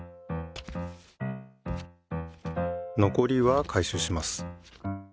のこりはかいしゅうします。